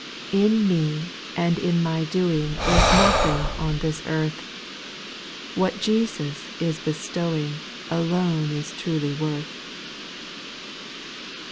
In me and in my doing Is nothing on this earth ; What Jesus is bestowing Alone is truly worth.